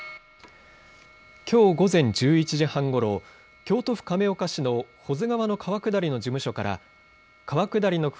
きょう午前１１時半ごろ、京都府亀岡市の保津川の川下りの事務所から川下りの船